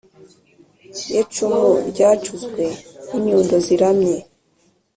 ye cumu ryacuzwe n’inyundo ziramye,